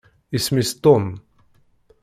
Isem-is Tom